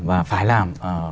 và phải làm